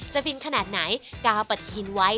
จะบินขนาดไหนกาวปฏิทินไว้